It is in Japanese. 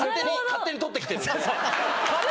勝手に撮ってきて何の。